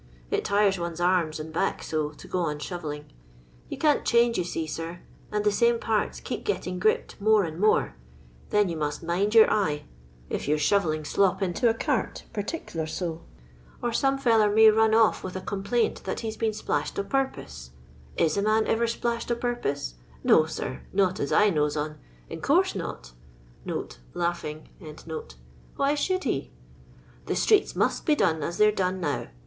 It tires one 's arms and back so, to go on shovelling. You can't change, you see, sir, and the same parts keeps gettbg gripped more and more. Then you must mind your eye, if you 're LONDON LABOUR AND THE LONDON POOR. 225 sboTelliog slop into a cart, perticler to ; or some fiBllsr may nm off with a complaint that he *8 been •plaabed o' purpose. Is a man ever splashed o' purpoael No, sir, not as I knows on, in coorse not [Langhing.] Why should he )" The streets must be done as they 're done now.